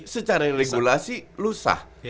secara regulasi lu sah